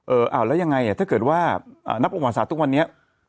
เออแล้วยังไงถ้าเกิดว่านับอุปกรณ์ศาสตร์ตั้งแต่วันนี้